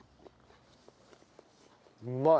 うまい。